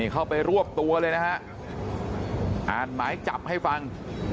เข้าไปรวบตัวเลยนะฮะอ่านหมายจับให้ฟัง